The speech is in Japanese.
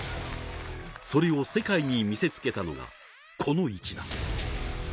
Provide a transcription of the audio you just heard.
それを世界に見せつけたのがこの一打。